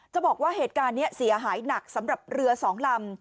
บอกว่าเหตุการณ์นี้เสียหายหนักสำหรับเรือสองลำ